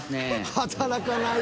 働かない？